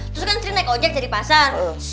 terus kan sering naik ojek jadi pasar